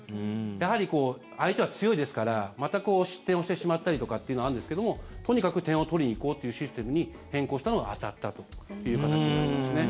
やはり相手は強いですからまた失点をしてしまったりとかっていうのはあるんですけどもとにかく点を取りに行こうというシステムに変更したのが当たったという形になりますね。